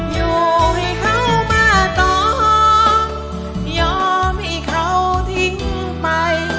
อยู่ให้เขามาตองไม่ยอมให้เขาทิ้งไป